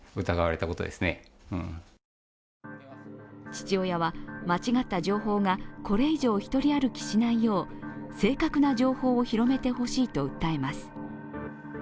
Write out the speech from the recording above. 父親は間違った情報がこれ以上、１人歩きしないよう正確な情報を広めてほしいと訴えます。